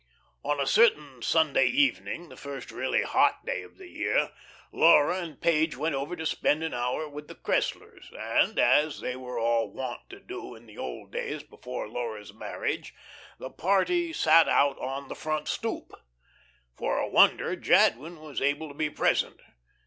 On a certain Sunday evening, the first really hot day of the year, Laura and Page went over to spend an hour with the Cresslers, and as they were all wont to do in the old days before Laura's marriage the party "sat out on the front stoop." For a wonder, Jadwin was able to be present.